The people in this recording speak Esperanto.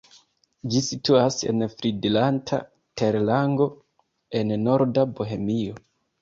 Ĝi situas en Fridlanta terlango en norda Bohemio.